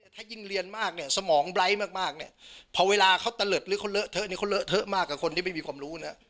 แต่ถ้ายิ่งเรียนมากเนี่ยสมองไบร์ทมากเนี่ยพอเวลาเขาตะเลิศหรือเขาเลอะเทอะเนี่ยเขาเลอะเทอะมากกับคนที่ไม่มีความรู้นะ